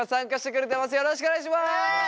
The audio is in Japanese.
よろしくお願いします！